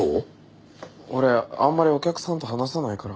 俺あんまりお客さんと話さないから。